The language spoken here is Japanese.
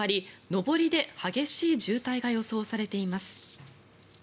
上りで激しい渋滞が予想されています。